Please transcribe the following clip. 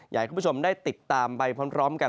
อยากให้คุณผู้ชมได้ติดตามไปพร้อมกัน